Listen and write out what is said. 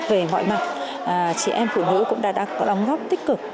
về mọi mặt chị em phụ nữ cũng đã có đóng góp tích cực